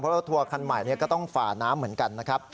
รถทัวร์คันใหม่ก็ต้องฝ่าน้ำเหมือนกันนะครับ